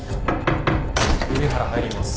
・瓜原入ります。